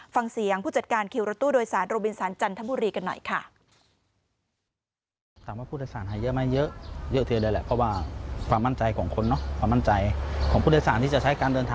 ฟังเสียงผู้จัดการคิวรถตู้โดยสารโรบินสารจันทบุรีกันหน่อยค่ะ